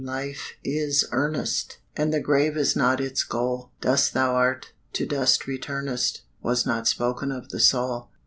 Life is earnest! And the grave is not its goal; Dust thou art, to dust returnest, Was not spoken of the soul.